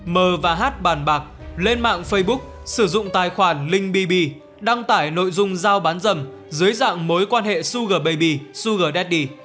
m và h bàn bạc lên mạng facebook sử dụng tài khoản linh bb đăng tải nội dung giao bán dầm dưới dạng mối quan hệ sugar baby sugar daddy